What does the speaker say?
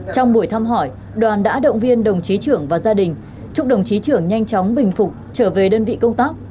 trong buổi thăm hỏi đoàn đã động viên đồng chí trưởng và gia đình chúc đồng chí trưởng nhanh chóng bình phục trở về đơn vị công tác